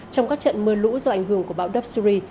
trong các trận mưa lũ do ảnh hưởng của bão dobsuri